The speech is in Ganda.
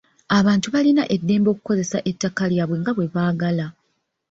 Abantu balina eddembe okukozesa ettaka lyabwe nga bwe baagala.